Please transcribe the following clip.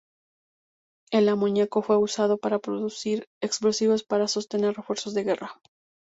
El amoníaco fue usado para producir explosivos para sostener refuerzos de guerra.